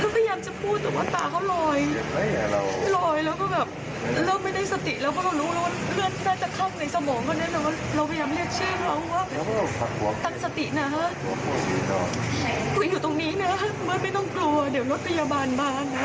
คุยอยู่ตรงนี้นะเมื่อไม่ต้องกลัวเดี๋ยวรถจะโยบาลแบนครับ